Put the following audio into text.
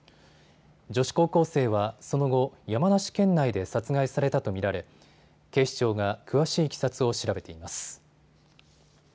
女子高校生はその後、山梨県内で殺害されたと見られ警視庁が詳しいいきさつを調べています。